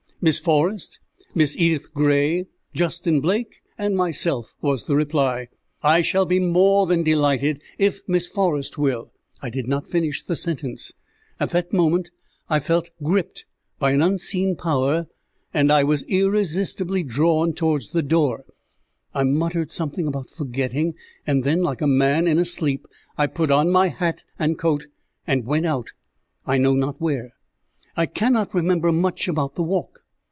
"Miss Forrest, Miss Edith Gray, Justin Blake, and myself," was the reply. "I shall be more than delighted if Miss Forrest will " I did not finish the sentence. At that moment I felt gripped by an unseen power, and I was irresistibly drawn towards the door. I muttered something about forgetting, and then, like a man in a sleep, I put on my hat and coat and went out, I know not where. I cannot remember much about the walk.